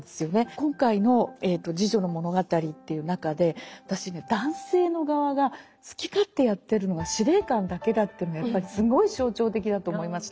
今回の「侍女の物語」っていう中で私ね男性の側が好き勝手やってるのが司令官だけだっていうのがやっぱりすごい象徴的だと思いました。